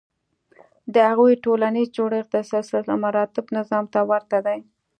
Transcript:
د هغوی ټولنیز جوړښت د سلسلهمراتب نظام ته ورته دی.